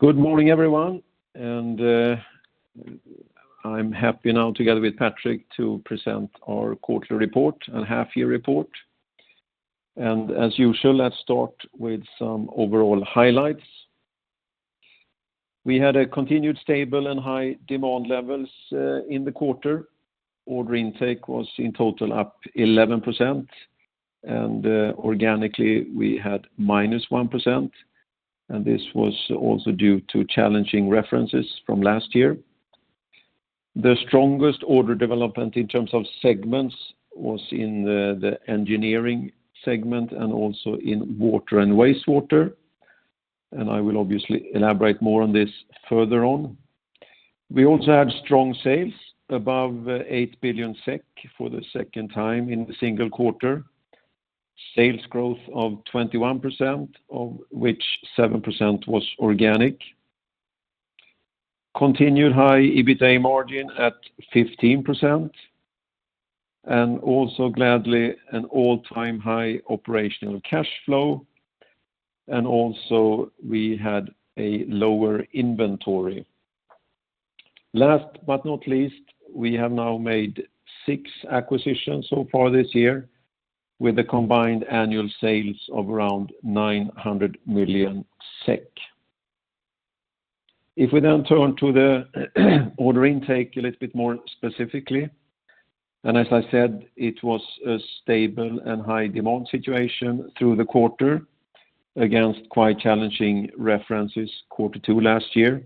Good morning, everyone, I'm happy now, together with Patrik, to present our quarterly report and half-year report. As usual, let's start with some overall highlights. We had a continued stable and high demand levels in the quarter. Order intake was, in total, up 11%, organically, we had -1%, and this was also due to challenging references from last year. The strongest order development in terms of segments was in the engineering segment, and also in water and wastewater, I will obviously elaborate more on this further on. We also had strong sales, above 8 billion SEK for the second time in the single quarter. Sales growth of 21%, of which 7% was organic. Continued high EBITA margin at 15%, also gladly, an all-time high operational cash flow, also we had a lower inventory. Last but not least, we have now made six acquisitions so far this year, with a combined annual sales of around 900 million SEK. We then turn to the order intake a little bit more specifically, as I said, it was a stable and high demand situation through the quarter, against quite challenging references, quarter two last year.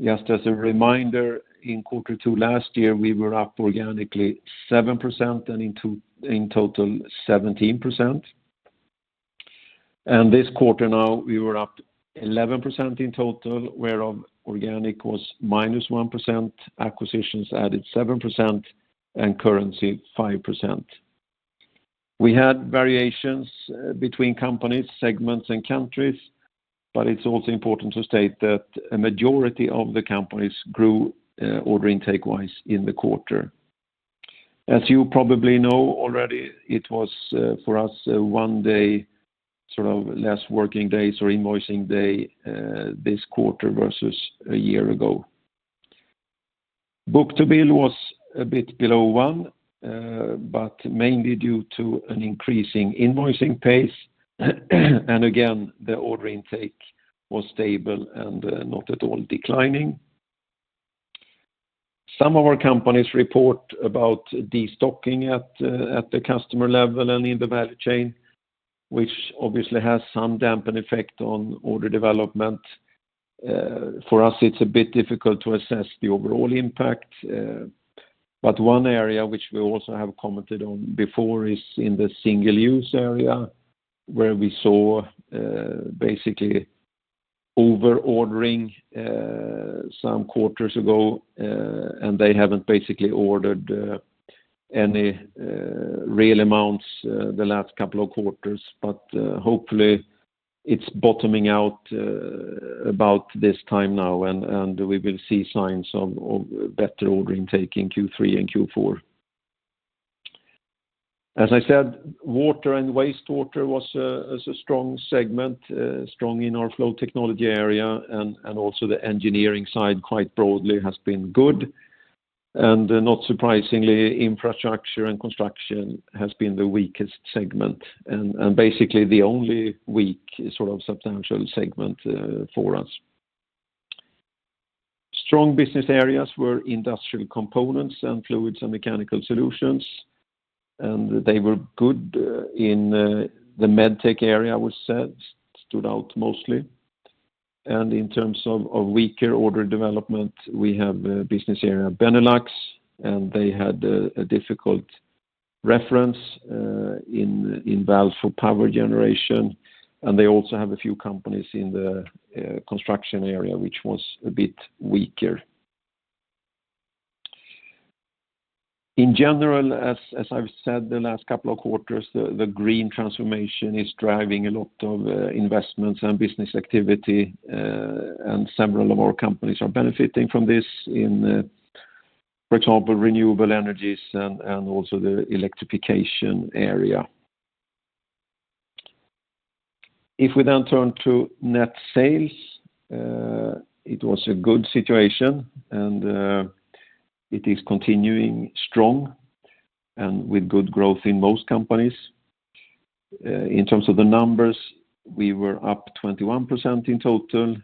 Just as a reminder, in quarter two last year, we were up organically 7%, and in total, 17%. This quarter now, we were up 11% in total, where of organic was -1%, acquisitions added 7%, and currency, 5%. We had variations between companies, segments, and countries, but it's also important to state that a majority of the companies grew, order intake-wise in the quarter. As you probably know already, it was, for us, one day, sort of less working days or invoicing day, this quarter, versus a year ago. book-to-bill was a bit below 1, but mainly due to an increasing invoicing pace. Again, the order intake was stable and not at all declining. Some of our companies report about destocking at the customer level and in the value chain, which obviously has some dampened effect on order development. For us, it's a bit difficult to assess the overall impact, but one area which we also have commented on before is in the single-use area, where we saw basically over-ordering some quarters ago, and they haven't basically ordered any real amounts the last couple of quarters, but hopefully, it's bottoming out about this time now, and we will see signs of better ordering taking Q3 and Q4. As I said, water and wastewater is a strong segment, strong in our Flow Technology area, and also the engineering side, quite broadly, has been good. Not surprisingly, infrastructure and construction has been the weakest segment, and basically, the only weak, sort of, substantial segment for us. Strong business areas were Industrial Components, and Fluids & Mechanical Solutions, and they were good in the MedTech area, was said, stood out mostly. In terms of weaker order development, we have a business area, Benelux, and they had a difficult reference in valve for power generation, and they also have a few companies in the construction area, which was a bit weaker. In general, as I've said the last couple of quarters, the green transformation is driving a lot of investments and business activity, and several of our companies are benefiting from this in, for example, renewable energies and also the electrification area. If we then turn to net sales, it was a good situation, and it is continuing strong and with good growth in most companies. In terms of the numbers, we were up 21% in total,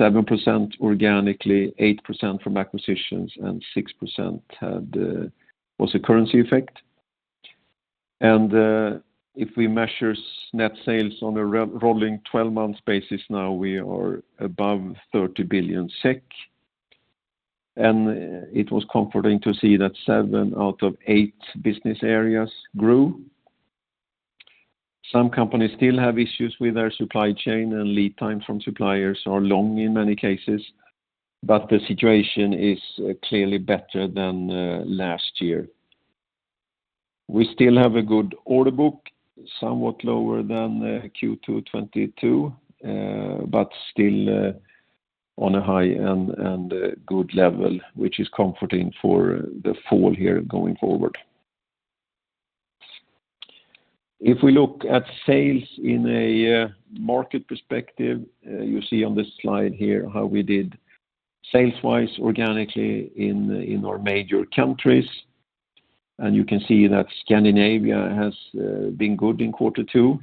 7% organically, 8% from acquisitions, and 6% had a currency effect. If we measure net sales on a rolling twelve-month basis, now we are above 30 billion SEK, and it was comforting to see that seven out of eight business areas grew. Some companies still have issues with their supply chain, and lead time from suppliers are long in many cases, but the situation is clearly better than last year. We still have a good order book, somewhat lower than Q2 2022, but still on a high and good level, which is comforting for the fall here going forward. If we look at sales in a market perspective, you see on this slide here how we did sales-wise, organically in our major countries. You can see that Scandinavia has been good in quarter two.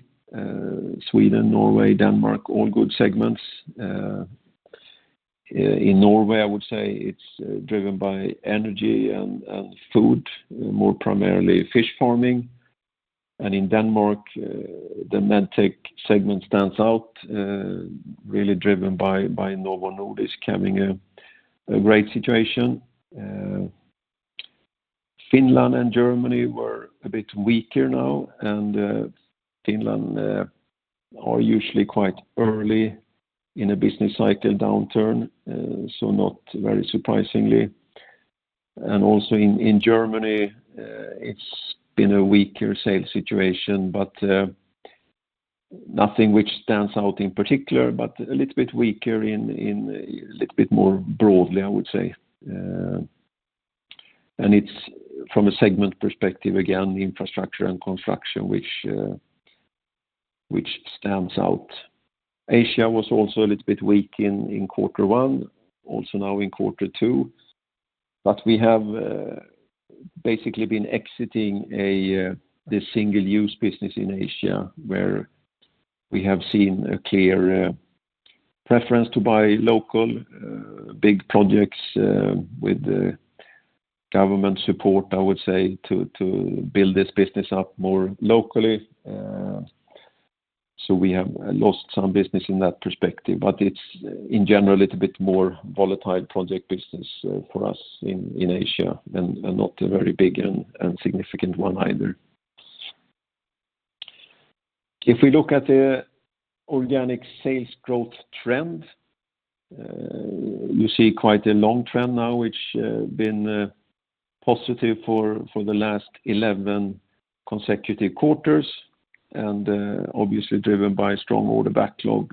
Sweden, Norway, Denmark, all good segments. In Norway, I would say it's driven by energy and food, more primarily fish farming. In Denmark, the MedTech segment stands out, really driven by Novo Nordisk having a great situation. Finland and Germany were a bit weaker now, and Finland are usually quite early in a business cycle downturn, so not very surprisingly. Also in Germany, it's been a weaker sales situation, but nothing which stands out in particular, but a little bit weaker in, a little bit more broadly, I would say. It's from a segment perspective, again, infrastructure and construction, which stands out. Asia was also a little bit weak in quarter one, also now in quarter two, but we have basically been exiting the single-use business in Asia, where we have seen a clear preference to buy local big projects with the government support, I would say, to build this business up more locally. We have lost some business in that perspective, but it's, in general, a little bit more volatile project business for us in Asia, and not a very big and significant one either. If we look at the organic sales growth trend, you see quite a long trend now, which been positive for the last 11 consecutive quarters, obviously driven by strong order backlog.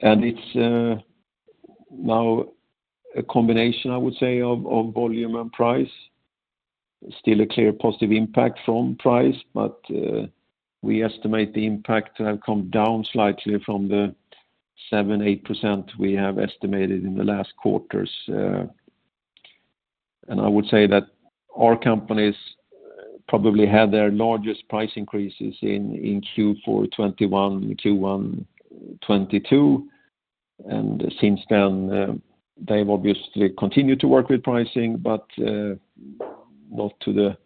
It's now a combination, I would say, of volume and price. Still a clear positive impact from price, but we estimate the impact to have come down slightly from the 7%-8% we have estimated in the last quarters. I would say that our companies probably had their largest price increases in Q4 2021, Q1 2022, and since then, they've obviously continued to work with pricing, but not to the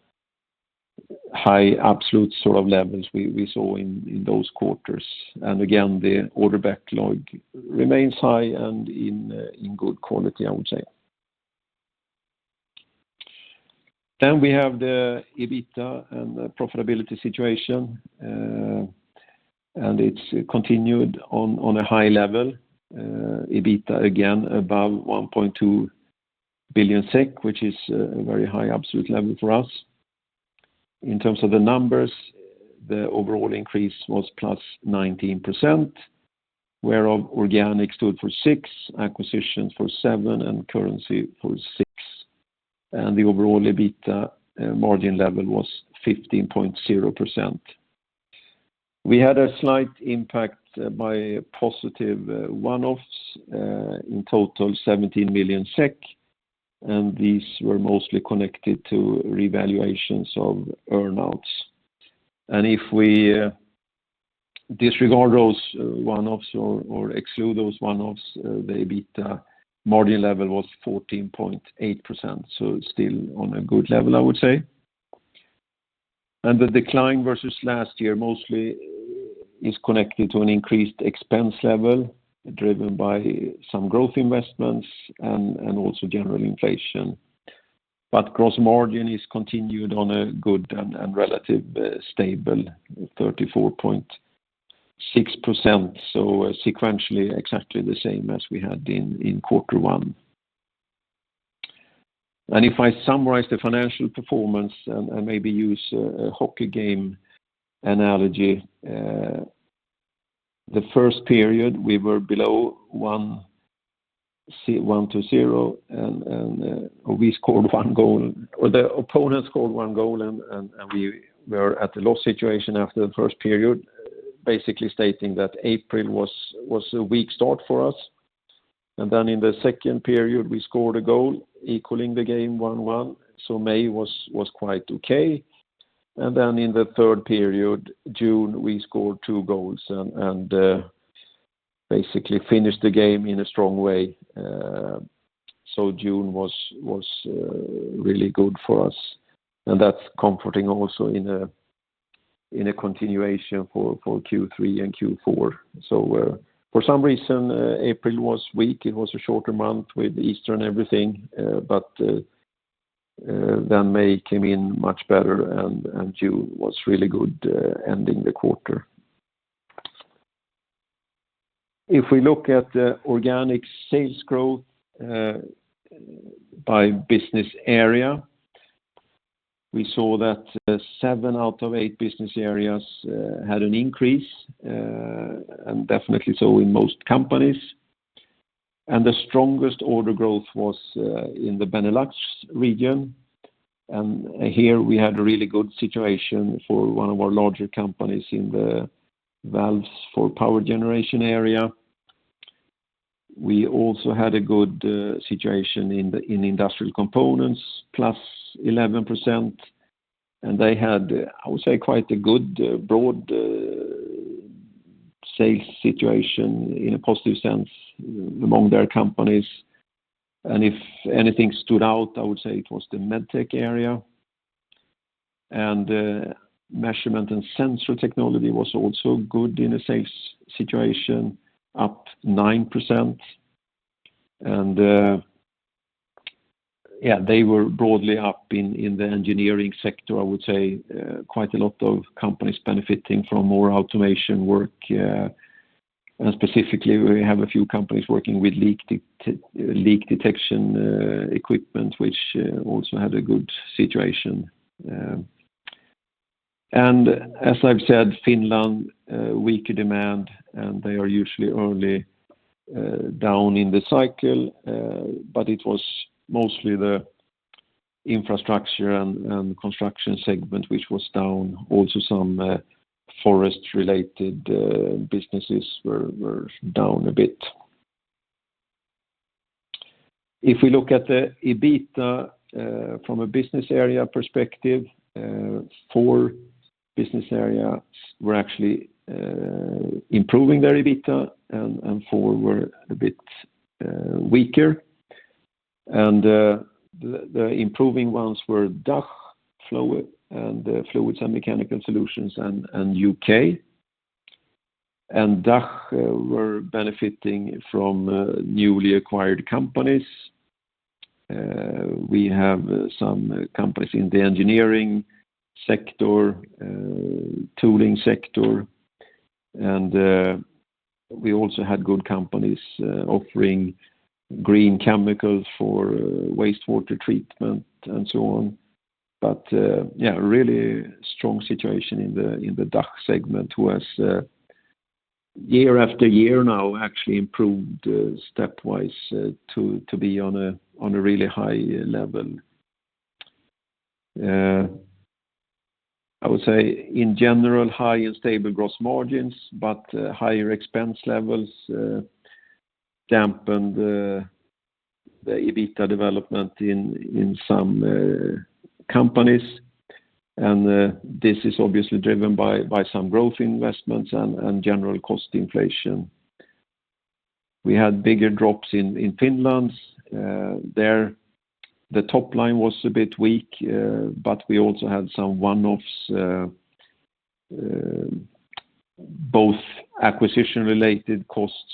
high absolute sort of levels we saw in those quarters. Again, the order backlog remains high and in good quality, I would say. We have the EBITDA and the profitability situation, it's continued on a high level, EBITDA, again, above 1.2 billion SEK, which is a very high absolute level for us. In terms of the numbers, the overall increase was +19%, whereof organic stood for 6%, acquisitions for 7%, and currency for 6%, the overall EBITDA margin level was 15.0%. We had a slight impact by positive one-offs, in total, 17 million SEK, these were mostly connected to revaluations of earn-outs. If we disregard those one-offs or exclude those one-offs, the EBITDA margin level was 14.8%, still on a good level, I would say. The decline versus last year mostly is connected to an increased expense level, driven by some growth investments and also general inflation. Gross margin is continued on a good, and relative stable 34.6%, so sequentially, exactly the same as we had in quarter one. If I summarize the financial performance, and I maybe use a hockey game analogy, the first period, we were below 1-0, and the opponent scored one goal, and we were at a loss situation after the first period, basically stating that April was a weak start for us. In the second period, we scored a goal, equaling the game 1-1, May was quite okay. In the third period, June, we scored two goals and basically finished the game in a strong way. June was really good for us, and that's comforting also in a continuation for Q3 and Q4. For some reason, April was weak. It was a shorter month with Easter and everything, but then May came in much better, and June was really good ending the quarter. We look at the organic sales growth by business area. We saw that seven out of eight business areas had an increase and definitely so in most companies. The strongest order growth was in the Benelux region, and here we had a really good situation for one of our larger companies in the valves for power generation area. We also had a good situation in the, in Industrial Components, plus 11%, and they had, I would say, quite a good, broad sales situation in a positive sense among their companies. If anything stood out, I would say it was the MedTech area, and Measurement & Sensor Technology was also good in a sales situation, up 9%. They were broadly up in the engineering sector, I would say, quite a lot of companies benefiting from more automation work. Specifically, we have a few companies working with leak detection equipment, which also had a good situation. As I've said, Finland, weaker demand, and they are usually early down in the cycle, but it was mostly the infrastructure and construction segment, which was down. Also, some forest-related businesses were down a bit. If we look at the EBITDA from a business area perspective, four business areas were actually improving their EBITDA and four were a bit weaker. The improving ones were DACH, Flowit, and Fluids & Mechanical Solutions, and UK. DACH were benefiting from newly acquired companies. We have some companies in the engineering sector, tooling sector, and we also had good companies offering green chemicals for wastewater treatment and so on. Yeah, a really strong situation in the DACH segment, who has year after year now, actually improved stepwise to be on a really high level. I would say in general, high and stable gross margins, but higher expense levels dampened the EBITDA development in some companies. This is obviously driven by some growth investments and general cost inflation. We had bigger drops in Finland. There, the top line was a bit weak, but we also had some one-offs, both acquisition-related costs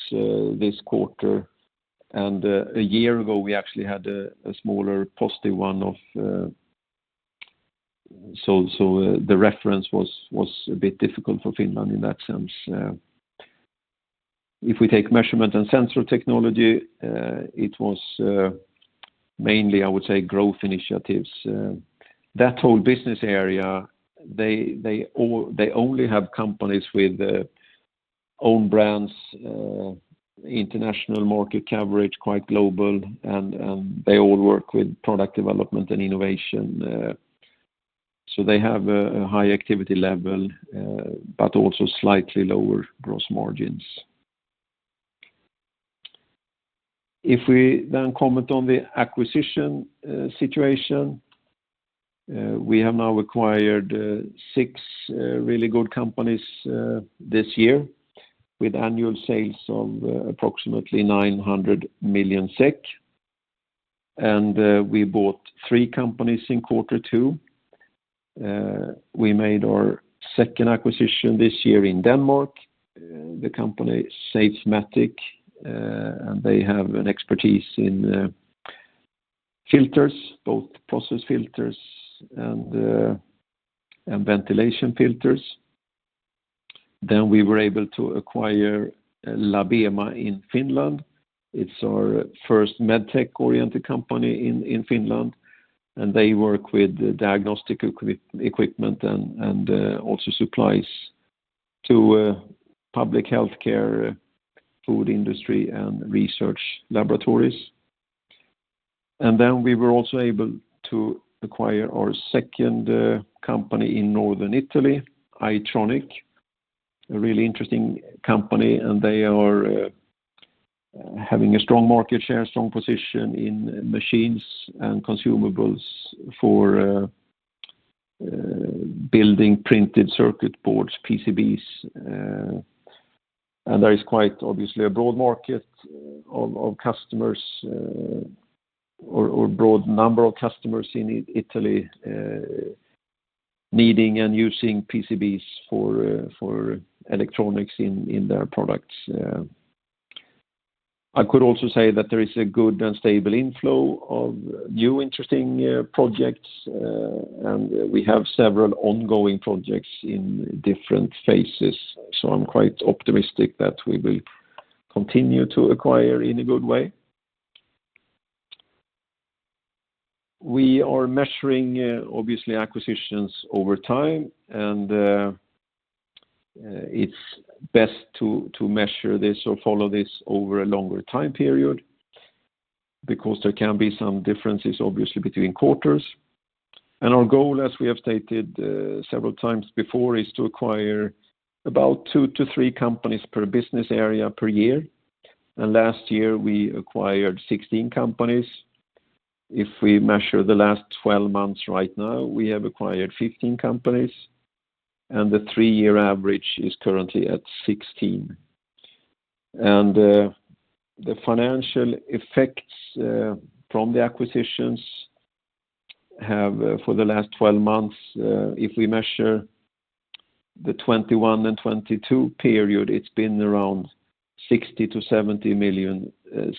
this quarter, and a year ago, we actually had a smaller positive one-off. The reference was a bit difficult for Finland in that sense. If we take Measurement & Sensor Technology, it was mainly, I would say, growth initiatives. That whole business area, they only have companies with own brands, international market coverage, quite global, and they all work with product development and innovation. They have a high activity level, but also slightly lower gross margins. If we comment on the acquisition situation, we have now acquired six really good companies this year, with annual sales of approximately 900 million SEK, and we bought three companies in quarter two. We made our second acquisition this year in Denmark, the company Safematic, and they have an expertise in filters, both process filters and ventilation filters. We were able to acquire Labema in Finland. It's our first MedTech-oriented company in Finland, and they work with diagnostic equipment and also supplies to public healthcare, food industry, and research laboratories. Then we were also able to acquire our second company in northern Italy, I-Tronik, a really interesting company, and they are having a strong market share, strong position in machines, and consumables for building printed circuit boards, PCBs, and there is quite obviously a broad market of customers, or broad number of customers in Italy, needing and using PCBs for electronics in their products. I could also say that there is a good and stable inflow of new interesting projects, and we have several ongoing projects in different phases. I'm quite optimistic that we will continue to acquire in a good way. We are measuring, obviously, acquisitions over time, it's best to measure this or follow this over a longer time period, because there can be some differences, obviously, between quarters. Our goal, as we have stated, several times before, is to acquire about two to three companies per business area per year. Last year, we acquired 16 companies. If we measure the last 12 months right now, we have acquired 15 companies, and the 3-year average is currently at 16. The financial effects from the acquisitions have, for the last 12 months, if we measure the 2021 and 2022 period, it's been around 60-70 million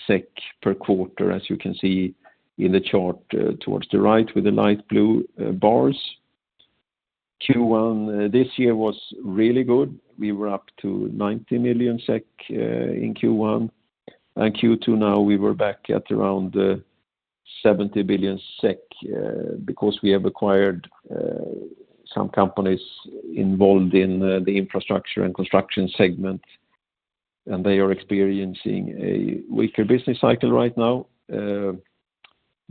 SEK per quarter, as you can see in the chart towards the right with the light blue bars. Q1 this year was really good. We were up to 90 million SEK in Q1, and Q2 now, we were back at around 70 billion SEK because we have acquired some companies involved in the infrastructure and construction segment, and they are experiencing a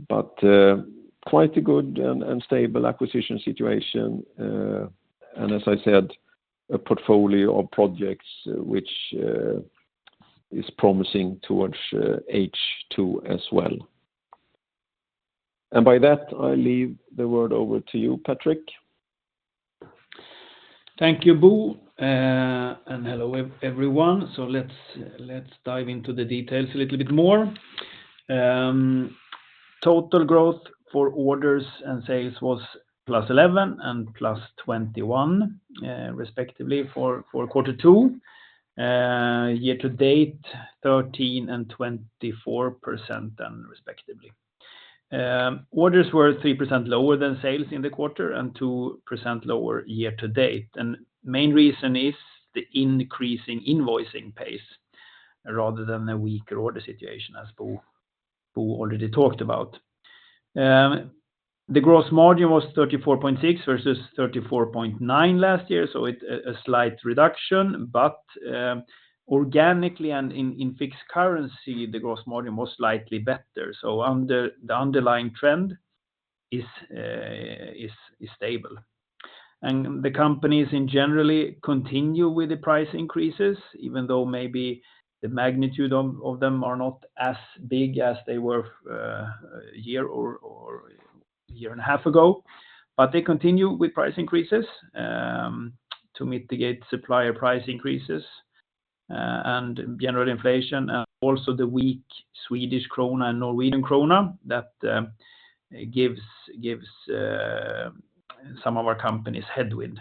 weaker business cycle right now. Quite a good and stable acquisition situation, and as I said, a portfolio of projects which is promising towards H2 as well. By that, I leave the word over to you, Patrik. Thank you, Bo. Hello everyone. Let's dive into the details a little bit more. Total growth for orders and sales was +11% and +21%, respectively, for quarter 2. Year to date, 13% and 24%, respectively. Orders were 3% lower than sales in the quarter and 2% lower year to date. Main reason is the increase in invoicing pace rather than a weaker order situation, as Bo already talked about. The gross margin was 34.6% versus 34.9% last year, a slight reduction, but organically and in fixed currency, the gross margin was slightly better. The underlying trend is stable. The companies in generally continue with the price increases, even though maybe the magnitude of them are not as big as they were a year or a year and a half ago. They continue with price increases to mitigate supplier price increases and general inflation, and also the weak Swedish krona and Norwegian krona that gives some of our companies headwind.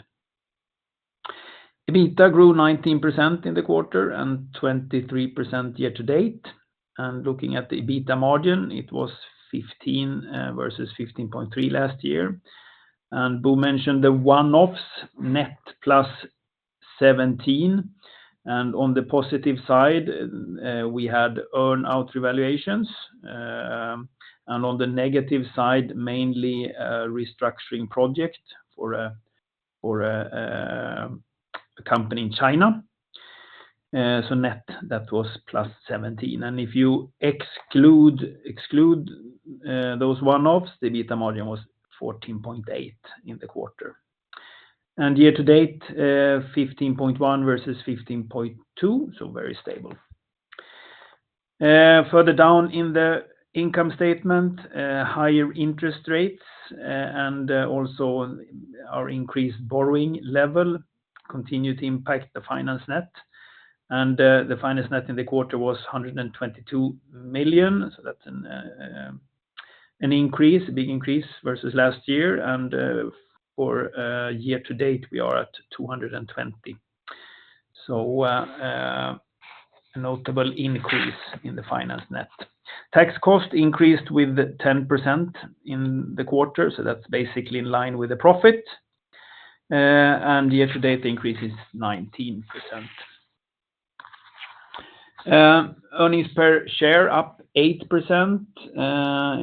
EBITDA grew 19% in the quarter and 23% year to date. Looking at the EBITDA margin, it was 15 versus 15.3 last year. Bo mentioned the one-offs, net plus 17. On the positive side, we had earn-out revaluations, and on the negative side, mainly a restructuring project for a company in China. Net, that was plus 17. If you exclude those one-offs, the EBITDA margin was 14.8% in the quarter. Year to date, 15.1% versus 15.2%, so very stable. Further down in the income statement, higher interest rates and also our increased borrowing level continue to impact the finance net. The finance net in the quarter was 122 million, so that's an increase, a big increase versus last year. For year to date, we are at 220 million. A notable increase in the finance net. Tax cost increased with 10% in the quarter, so that's basically in line with the profit. Year to date, the increase is 19%. Earnings per share up 8%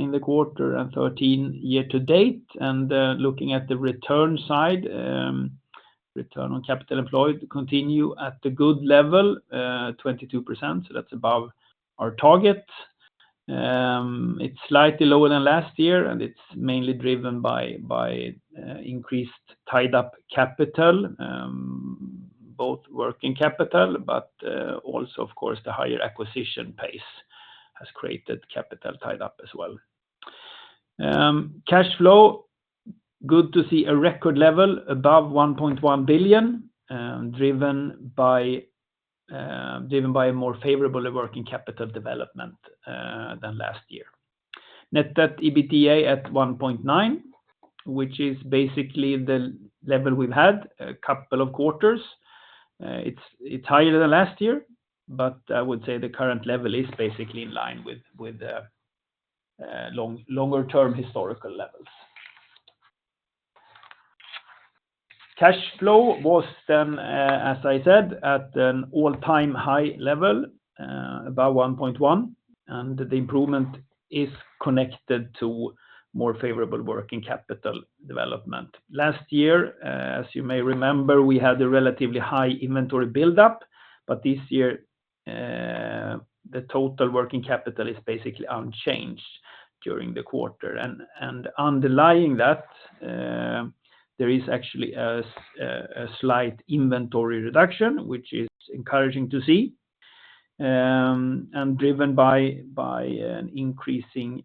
in the quarter and 13% year to date. Looking at the return side, return on capital employed continue at a good level, 22%, so that's above our target. It's slightly lower than last year, and it's mainly driven by increased tied up capital, both working capital, but also, of course, the higher acquisition pace has created capital tied up as well. Cash flow, good to see a record level above 1.1 billion, driven by a more favorable working capital development than last year. Net debt to EBITDA at 1.9, which is basically the level we've had a couple of quarters. It's higher than last year, but I would say the current level is basically in line with the longer-term historical levels. Cash flow was, as I said, at an all-time high level, about 1.1. The improvement is connected to more favorable working capital development. Last year, as you may remember, we had a relatively high inventory buildup. This year, the total working capital is basically unchanged during the quarter. Underlying that, there is actually a slight inventory reduction, which is encouraging to see, driven by an increasing,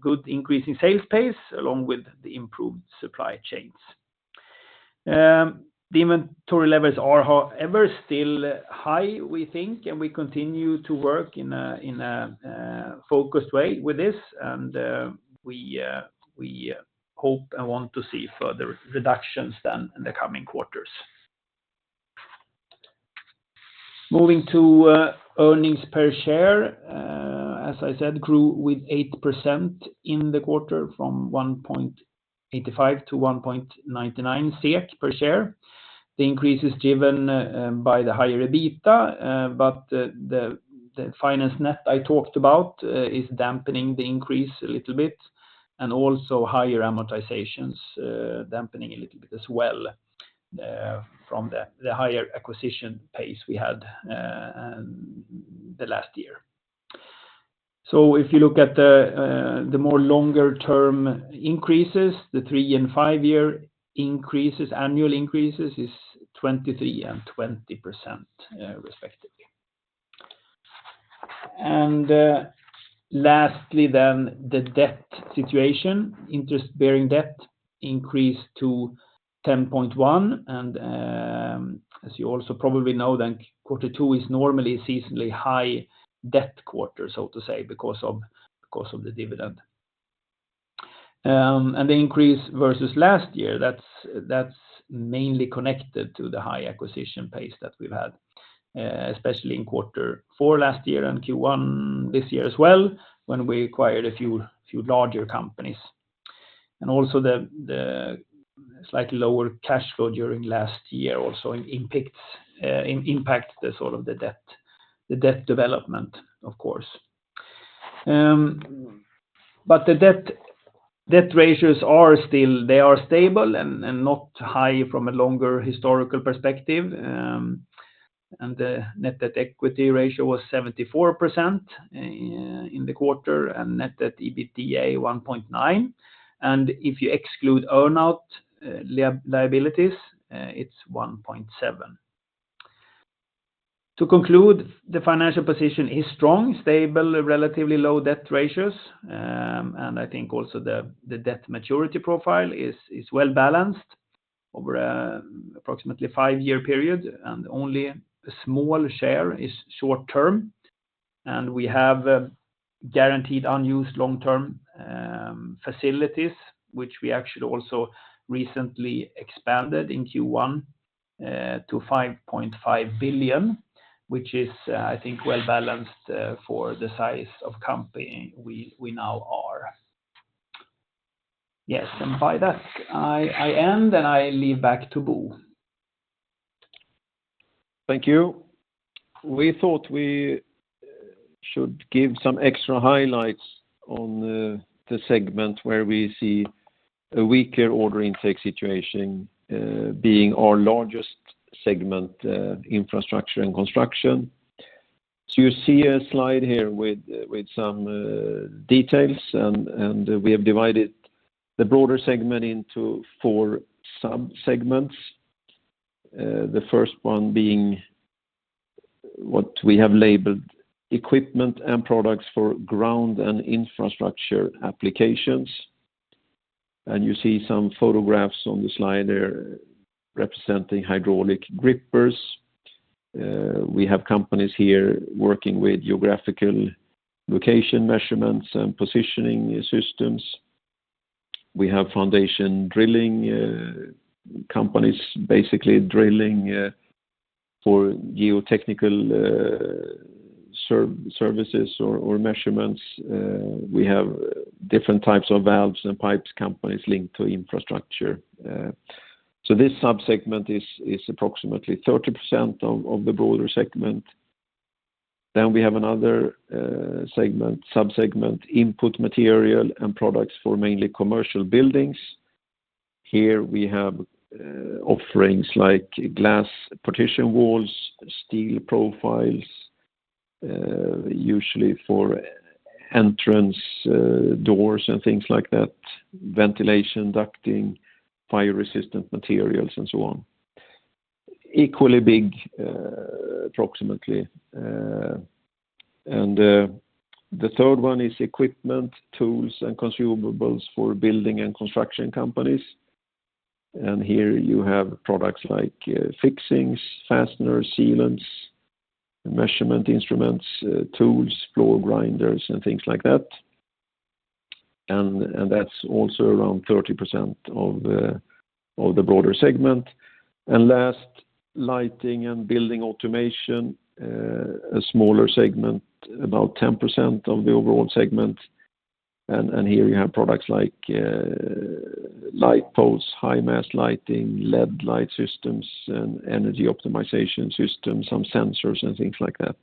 good increase in sales pace, along with the improved supply chains. The inventory levels are however, still high, we think. We continue to work in a focused way with this. We hope and want to see further reductions in the coming quarters. Moving to earnings per share, as I said, grew with 8% in the quarter from 1.85 to 1.99 SEK per share. The increase is driven by the higher EBITDA, but the finance net I talked about is dampening the increase a little bit, and also higher amortizations dampening a little bit as well from the higher acquisition pace we had the last year. If you look at the more longer term increases, the three and five-year increases, annual increases is 23% and 20% respectively. Lastly, then the debt situation, interest bearing debt increased to 10.1. As you also probably know, then quarter two is normally a seasonally high debt quarter, so to say, because of the dividend. The increase versus last year, that's mainly connected to the high acquisition pace that we've had, especially in quarter four last year and Q1 this year as well, when we acquired a few larger companies. Also the slightly lower cash flow during last year also impacts the sort of the debt development, of course. The debt ratios are still, they are stable and not high from a longer historical perspective. The net debt equity ratio was 74% in the quarter, and net debt EBITDA, 1.9. If you exclude earn-out liabilities, it's 1.7. To conclude, the financial position is strong, stable, relatively low debt ratios. I think also the debt maturity profile is well balanced over a approximately five-year period, and only a small share is short term. We have guaranteed unused long-term facilities, which we actually also recently expanded in Q1 to 5.5 billion, which is I think well balanced for the size of company we now are. Yes, by that, I end, and I leave back to Bo. Thank you. We thought we should give some extra highlights on the segment where we see a weaker order intake situation, being our largest segment, infrastructure and construction. You see a slide here with some details, and we have divided the broader segment into four subsegments. The first one being what we have labeled equipment and products for ground and infrastructure applications. You see some photographs on the slide there representing hydraulic grippers. We have companies here working with geographical location measurements and positioning systems. We have foundation drilling, companies, basically drilling for geotechnical services or measurements. We have different types of valves and pipes, companies linked to infrastructure. This subsegment is approximately 30% of the broader segment. We have another segment, subsegment, input material and products for mainly commercial buildings. Here we have offerings like glass partition walls, steel profiles, usually for entrance doors and things like that, ventilation, ducting, fire resistant materials, and so on. Equally big, approximately. The third is equipment, tools, and consumables for building and construction companies. Here you have products like fixings, fasteners, sealants, measurement instruments, tools, floor grinders, and things like that. That's also around 30% of the broader segment. Last, lighting and building automation, a smaller segment, about 10% of the overall segment. Here you have products like light posts, high-mast lighting, LED light systems, and energy optimization systems, some sensors and things like that.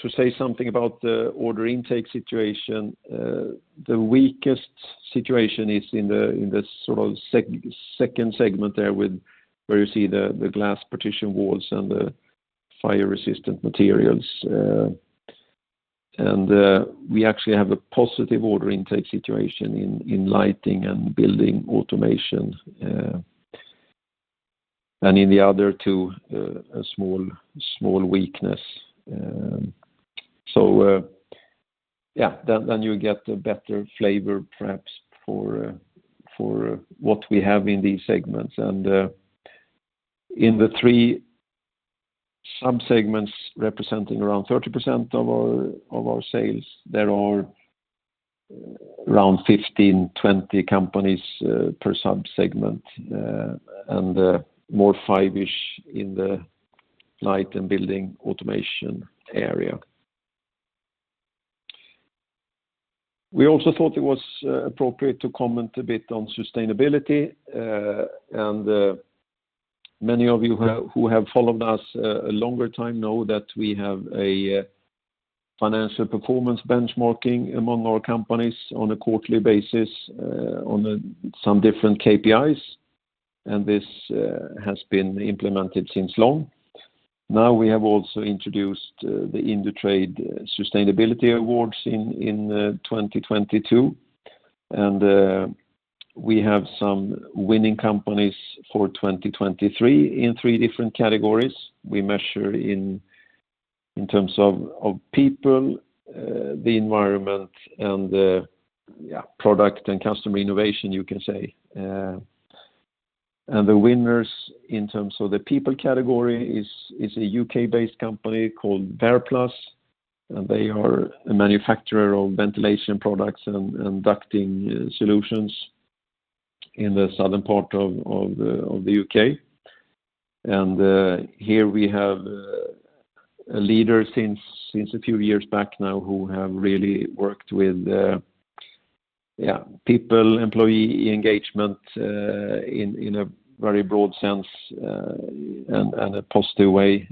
To say something about the order intake situation, the weakest situation is in the second segment there with where you see the glass partition walls and the fire-resistant materials. We actually have a positive order intake situation in lighting and building automation, and in the other two, a small weakness. Yeah, then you get a better flavor, perhaps, for what we have in these segments. In the three sub-segments representing around 30% of our sales, there are around 15, 20 companies per sub-segment, and more 5-ish in the light and building automation area. We also thought it was appropriate to comment a bit on sustainability. Many of you who have followed us a longer time know that we have a financial performance benchmarking among our companies on a quarterly basis on some different KPIs, and this has been implemented since long. Now we have also introduced the Indutrade Sustainability Awards in 2022, and we have some winning companies for 2023 in three different categories. We measure in terms of people, the environment, and product and customer innovation, you can say. The winners in terms of the people category is a UK-based company called Verplas, and they are a manufacturer of ventilation products and ducting solutions in the southern part of the UK. Here we have a leader since a few years back now, who have really worked with people, employee engagement in a very broad sense and a positive way,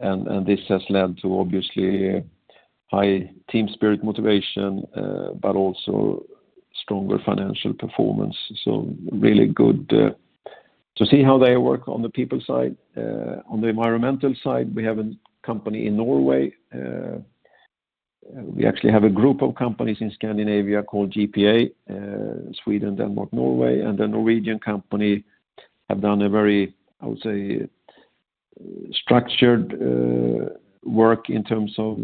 and this has led to obviously high team spirit motivation, but also stronger financial performance. Really good to see how they work on the people side. On the environmental side, we have a company in Norway. We actually have a group of companies in Scandinavia called GPA, Sweden, Denmark, Norway, and the Norwegian company have done a very, I would say, structured work in terms of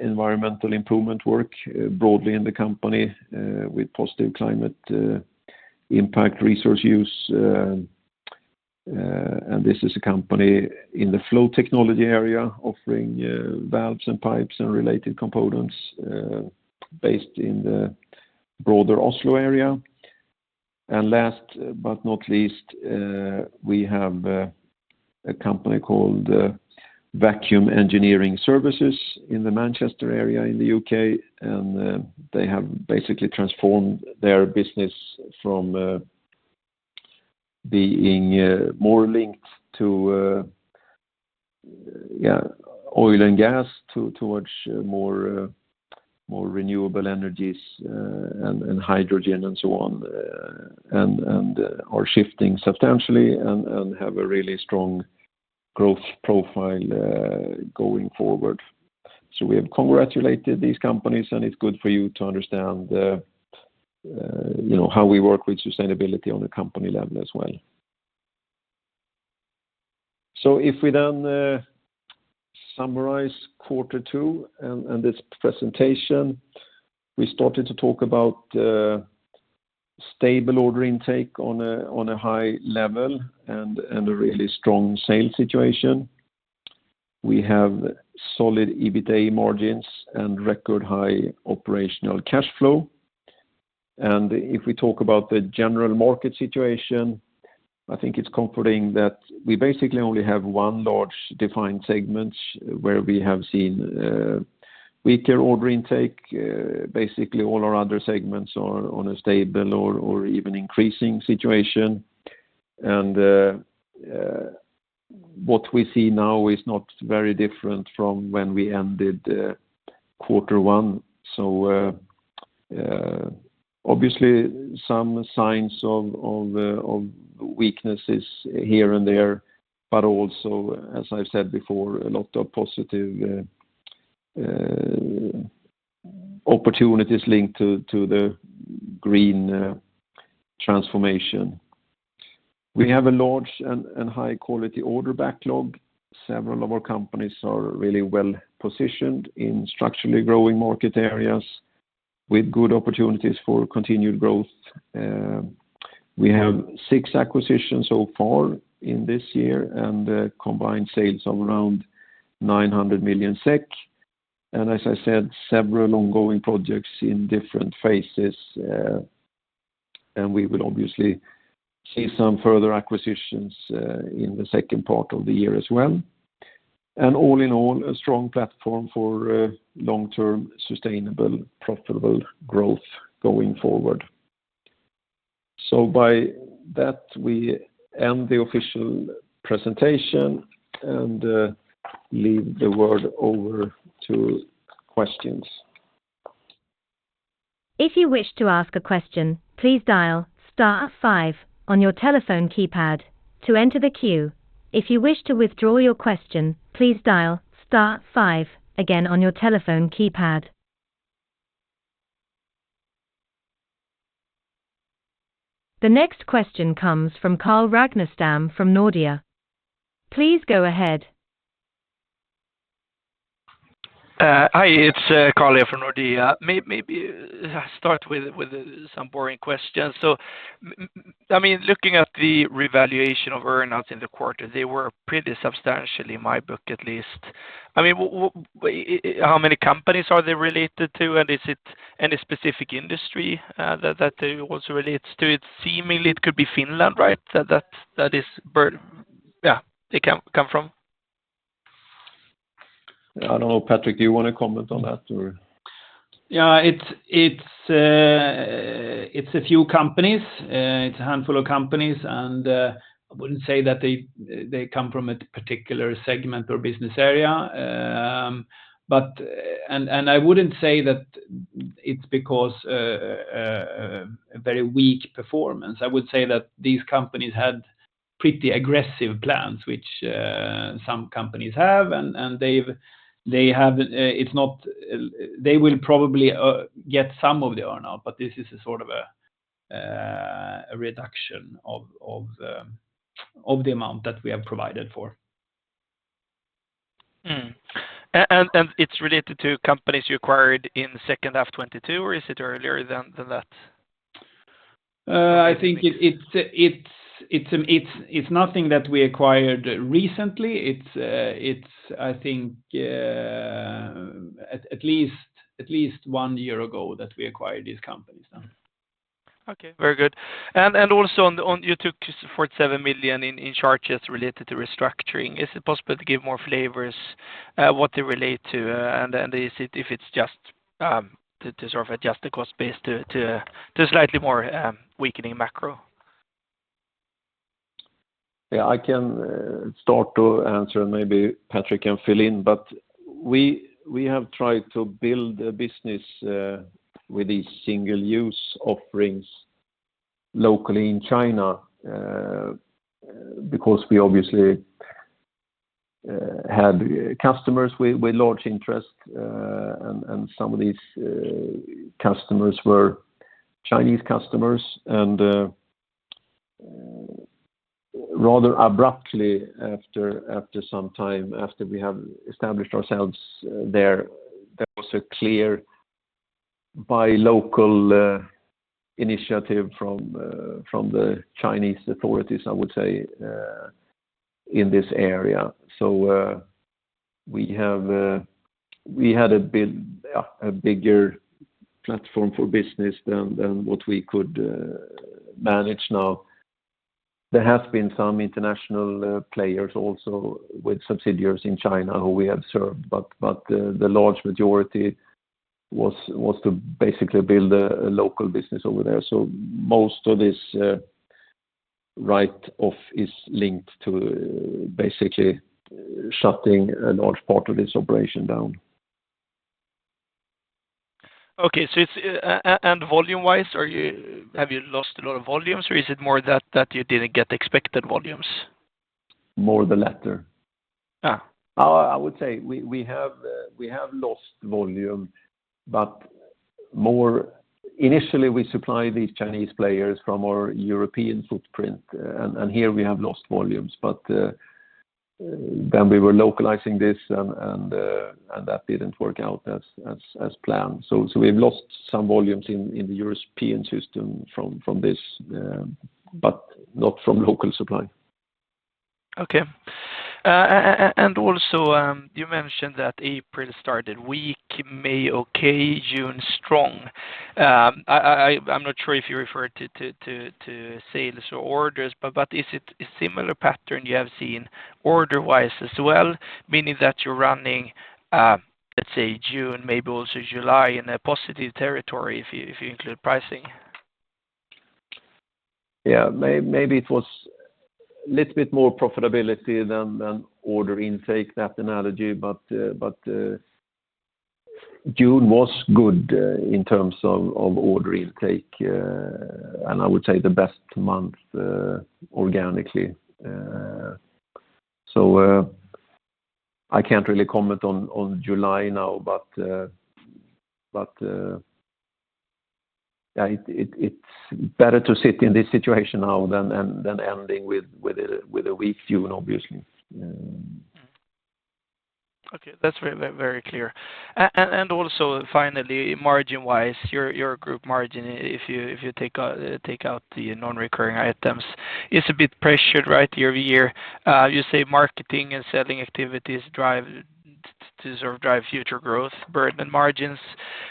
environmental improvement work broadly in the company with positive climate impact, resource use. This is a company in the Flow Technology area, offering valves and pipes and related components, based in the broader Oslo area. Last but not least, we have a company called Vacuum Engineering Services in the Manchester area in the U.K., and they have basically transformed their business from being more linked to, yeah, oil and gas to, towards more renewable energies, and hydrogen, and so on, and are shifting substantially and have a really strong growth profile going forward. We have congratulated these companies, and it's good for you to understand, you know, how we work with sustainability on a company level as well. If we then, summarize quarter two and this presentation, we started to talk about stable order intake on a high level and a really strong sales situation. We have solid EBITA margins and record high operational cash flow. If we talk about the general market situation, I think it's comforting that we basically only have one large defined segment where we have seen weaker order intake. Basically, all our other segments are on a stable or even increasing situation. What we see now is not very different from when we ended quarter one. Obviously some signs of weaknesses here and there, but also, as I've said before, a lot of positive opportunities linked to the green transformation. We have a large and high-quality order backlog. Several of our companies are really well-positioned in structurally growing market areas with good opportunities for continued growth. We have six acquisitions so far in this year, and combined sales of around 900 million SEK. As I said, several ongoing projects in different phases. We will obviously see some further acquisitions in the second part of the year as well. All in all, a strong platform for long-term, sustainable, profitable growth going forward. By that, we end the official presentation and leave the word over to questions. If you wish to ask a question, please dial star five on your telephone keypad to enter the queue. If you wish to withdraw your question, please dial star five again on your telephone keypad. The next question comes from Carl Ragnerstam from Nordea. Please go ahead. Hi, it's Carl here from Nordea. Maybe I start with some boring questions. I mean, looking at the revaluation of earn-outs in the quarter, they were pretty substantial in my book at least. I mean, how many companies are they related to? Is it any specific industry that also relates to it? Seemingly, it could be Finland, right? That is where yeah, they come from. I don't know. Patrik, do you want to comment on that, or? Yeah, it's, it's a few companies. It's a handful of companies, and I wouldn't say that they come from a particular segment or business area. And I wouldn't say that it's because a very weak performance. I would say that these companies had pretty aggressive plans, which some companies have, and they have, they will probably get some of the earnout, but this is a sort of a reduction of the amount that we have provided for. Mm. It's related to companies you acquired in the second half 2022, or is it earlier than that? I think it's nothing that we acquired recently. It's, I think, at least one year ago that we acquired these companies now. Okay, very good. Also on you took 47 million in charges related to restructuring. Is it possible to give more flavors, what they relate to? Is it if it's just to sort of adjust the cost base to slightly more weakening macro? Yeah, I can start to answer, and maybe Patrik can fill in. We have tried to build a business with these single-use offerings locally in China, because we obviously had customers with large interest, and some of these customers were Chinese customers. Rather abruptly, after some time, after we have established ourselves there was a clear by local initiative from the Chinese authorities, I would say, in this area. We have, we had a bit, a bigger platform for business than what we could manage now. There has been some international players also with subsidiaries in China who we have served, but the large majority was to basically build a local business over there. Most of this write-off is linked to basically shutting a large part of this operation down. Okay, and volume-wise, have you lost a lot of volumes, or is it more that you didn't get the expected volumes? More the latter. Ah. I would say we have lost volume, initially, we supplied these Chinese players from our European footprint, and here we have lost volumes. Then we were localizing this, and that didn't work out as planned. We've lost some volumes in the European system from this, but not from local supply. Okay. Also, you mentioned that April started weak, May, okay, June, strong. I'm not sure if you referred to sales or orders. Is it a similar pattern you have seen order-wise as well, meaning that you're running, let's say, June, maybe also July, in a positive territory, if you include pricing? Yeah, maybe it was little bit more profitability than order intake, that analogy, but June was good in terms of order intake, and I would say the best month organically. I can't really comment on July now, but yeah, it's better to sit in this situation now than ending with a weak June, obviously. Okay, that's very, very clear. Also, finally, margin-wise, your group margin, if you take out the non-recurring items, is a bit pressured, right, year-over-year. You say marketing and selling activities to sort of drive future growth burden margins.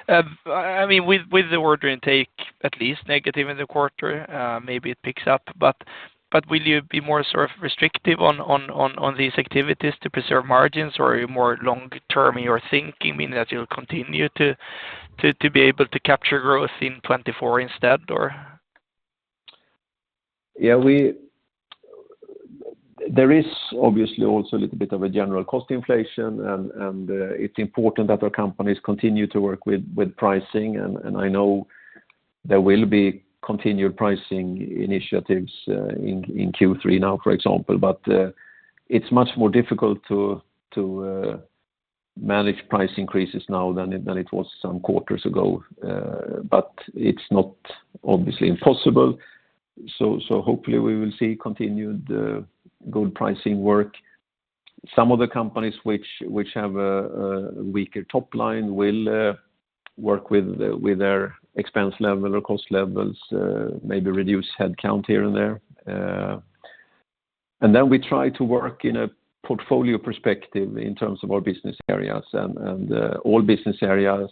I mean, with the order intake, at least negative in the quarter, maybe it picks up, but will you be more sort of restrictive on these activities to preserve margins? Or are you more long term in your thinking, meaning that you'll continue to be able to capture growth in 2024 instead, or? Yeah, there is obviously also a little bit of a general cost inflation, and it's important that our companies continue to work with pricing. I know there will be continued pricing initiatives in Q3 now, for example. It's much more difficult to manage price increases now than it was some quarters ago. It's not obviously impossible. Hopefully we will see continued good pricing work. Some of the companies which have a weaker top line will work with their expense level or cost levels, maybe reduce headcount here and there. Then we try to work in a portfolio perspective in terms of our business areas. All business areas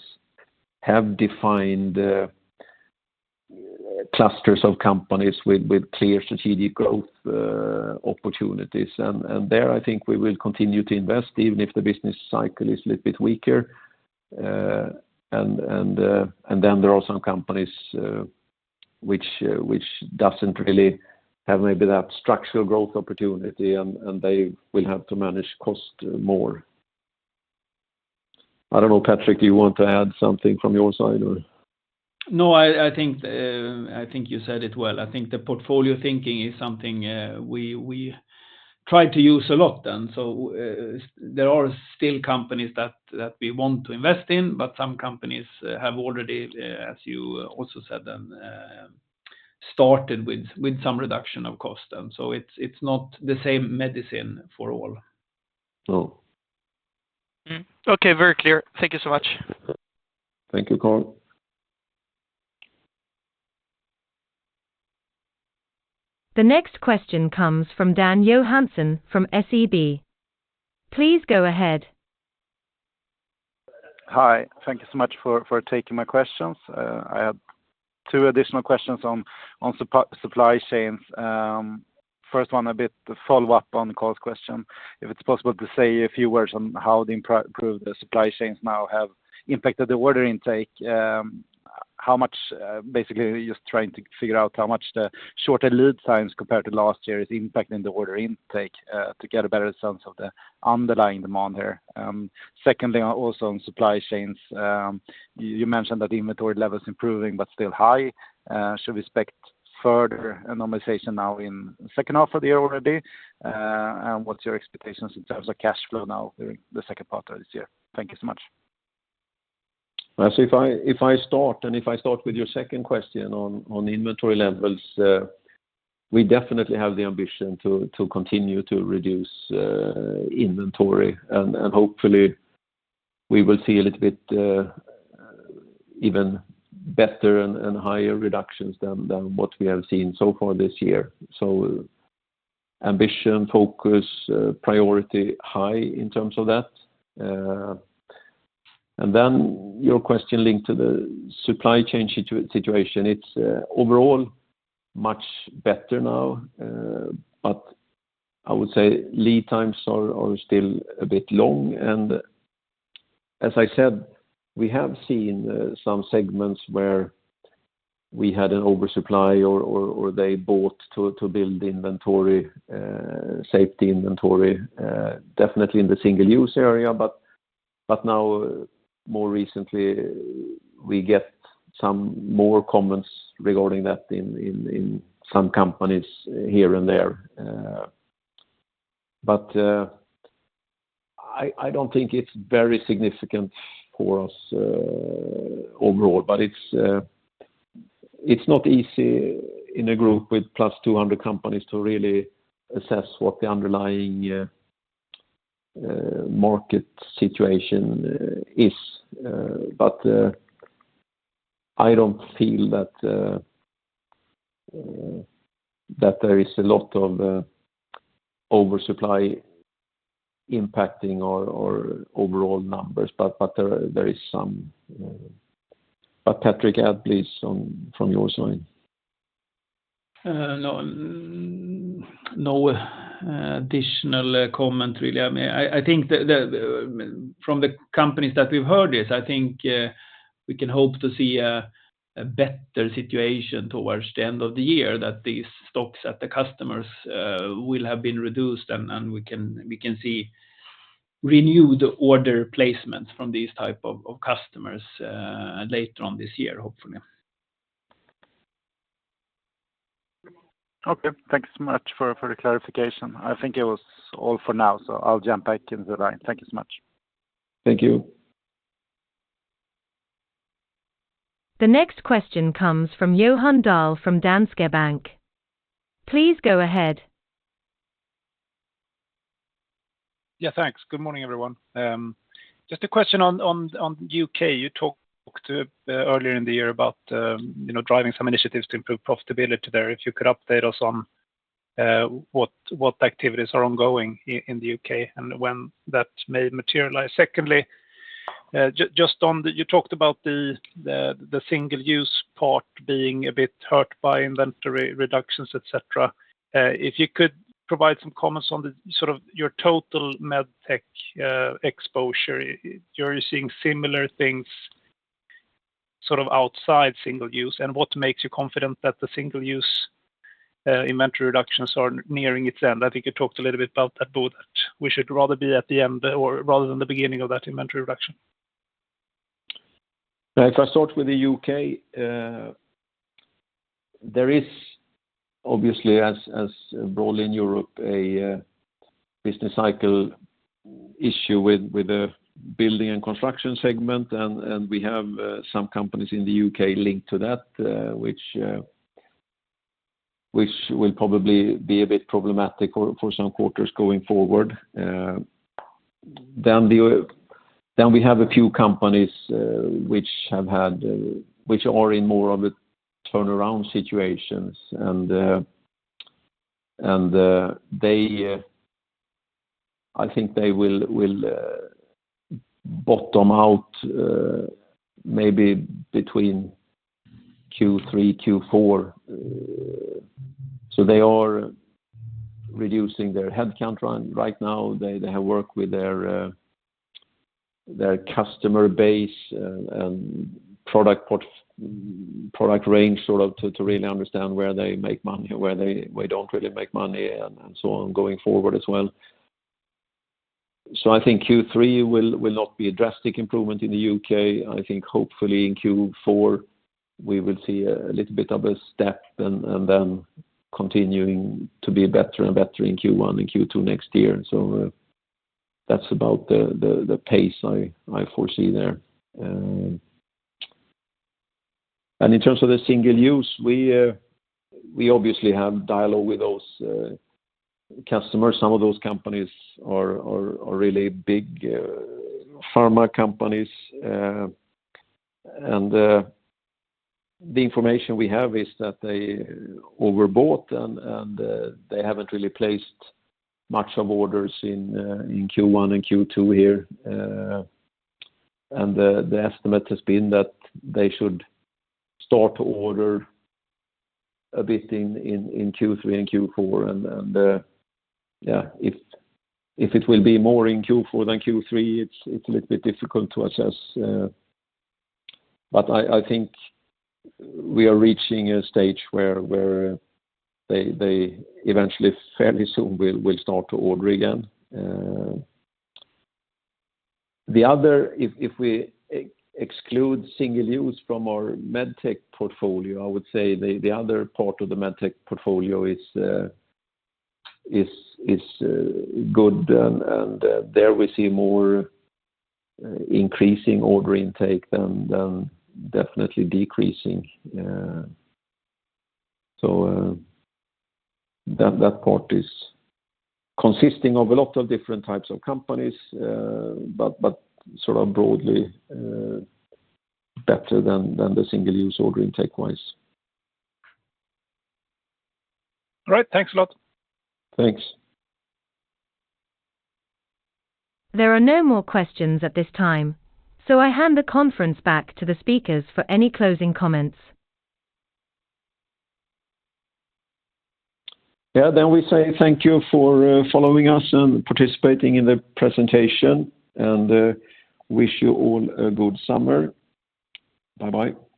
have defined clusters of companies with clear strategic growth opportunities. There, I think we will continue to invest, even if the business cycle is a little bit weaker. Then there are some companies which doesn't really have maybe that structural growth opportunity, and they will have to manage cost more. I don't know, Patrik, do you want to add something from your side or? I think you said it well. I think the portfolio thinking is something, we try to use a lot then. There are still companies that we want to invest in, but some companies have already, as you also said, started with some reduction of cost. It's not the same medicine for all. No. Okay. Very clear. Thank you so much. Thank you, Carl. The next question comes from Dan Johansson from SEB. Please go ahead. Hi. Thank you so much for taking my questions. I have two additional questions on supply chains. First one, a bit follow-up on Carl's question. If it's possible to say a few words on how the improve the supply chains now have impacted the order intake. How much, basically, just trying to figure out how much the shorter lead times compared to last year is impacting the order intake, to get a better sense of the underlying demand there. Secondly, also on supply chains, you mentioned that inventory levels improving but still high. Should we expect further normalization now in the second half of the year already? What's your expectations in terms of cash flow now during the second part of this year? Thank you so much. If I start with your second question on inventory levels, we definitely have the ambition to continue to reduce inventory. Hopefully we will see a little bit even better and higher reductions than what we have seen so far this year. Ambition, focus, priority high in terms of that. Your question linked to the supply chain situation. It's overall much better now, but I would say lead times are still a bit long. As I said, we have seen some segments where we had an oversupply or they bought to build inventory, safety inventory, definitely in the single-use area. Now, more recently, we get some more comments regarding that in some companies here and there. I don't think it's very significant for us overall, but it's not easy in a group with plus 200 companies to really assess what the underlying market situation is. I don't feel that there is a lot of oversupply impacting our overall numbers, but there is some. Patrik, add, please, from your side. No, no, additional comment, really. I mean, from the companies that we've heard this, I think, we can hope to see a better situation towards the end of the year that these stocks at the customers will have been reduced, and we can see renewed order placements from these type of customers later on this year, hopefully. Okay, thanks so much for the clarification. I think it was all for now, so I'll jump back in the line. Thank you so much. Thank you. The next question comes from Johan Dahl from Danske Bank. Please go ahead. Yeah, thanks. Good morning, everyone. Just a question on U.K. You talked earlier in the year about, you know, driving some initiatives to improve profitability there. If you could update us. What activities are ongoing in the UK and when that may materialize? Secondly, just on the single-use part being a bit hurt by inventory reductions, et cetera. If you could provide some comments on the, sort of your total MedTech exposure, you're seeing similar things sort of outside single-use, and what makes you confident that the single-use inventory reductions are nearing its end? I think you talked a little bit about that, but we should rather be at the end or rather than the beginning of that inventory reduction. If I start with the UK, there is obviously as broadly in Europe, a business cycle issue with the building and construction segment, and we have some companies in the UK linked to that, which will probably be a bit problematic for some quarters going forward. We have a few companies which are in more of a turnaround situations, and they, I think they will bottom out maybe between Q3, Q4. They are reducing their headcount right now. They have worked with their customer base and product range, sort of to really understand where they make money and where they don't really make money, and so on, going forward as well. I think Q3 will not be a drastic improvement in the U.K. I think hopefully in Q4, we will see a little bit of a step, and then continuing to be better and better in Q1 and Q2 next year. That's about the pace I foresee there. In terms of the single-use, we obviously have dialogue with those customers. Some of those companies are really big pharma companies. The information we have is that they overbought and they haven't really placed much of orders in Q1 and Q2 here. The estimate has been that they should start to order a bit in Q3 and Q4, yeah, if it will be more in Q4 than Q3, it's a little bit difficult to assess. I think we are reaching a stage where they eventually, fairly soon, will start to order again. If we exclude single-use from our MedTech portfolio, I would say the other part of the MedTech portfolio is good. And there we see more increasing order intake than definitely decreasing. That part is consisting of a lot of different types of companies, but sort of broadly better than the single-use order intake wise. All right. Thanks a lot. Thanks. There are no more questions at this time. I hand the conference back to the speakers for any closing comments. Yeah, we say thank you for following us and participating in the presentation, and wish you all a good summer. Bye-bye.